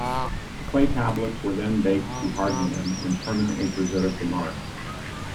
The clay tablets were then baked to harden them and permanently preserve the marks.